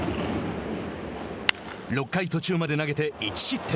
６回途中まで投げて、１失点。